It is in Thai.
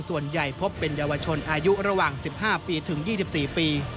ส่วนใหญ่พบเป็นเยาวชนอายุระหว่าง๑๕ปีถึง๒๔ปี